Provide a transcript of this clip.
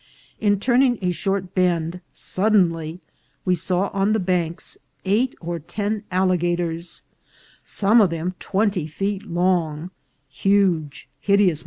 In turning a short bend, suddenly we saw on the banks eight or ten alli gators, some of them twenty feet long, huge, hideous THE USUMASINTA.